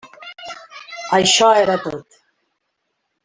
Això era tot.